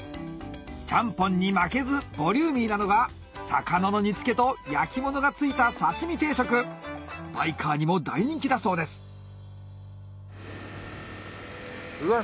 ちゃんぽんに負けずボリューミーなのが魚の煮付けと焼き物が付いたバイカーにも大人気だそうですうわ